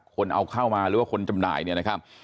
คนเอาเข้ามาหรือว่าคนจำหน่ายเนี่ยนะครับ